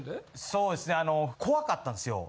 そうですね怖かったんですよ。